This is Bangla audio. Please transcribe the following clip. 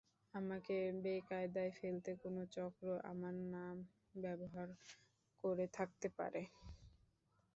আমাকে বেকায়দায় ফেলতে কোনো চক্র আমার নাম ব্যবহার করে থাকতে পারে।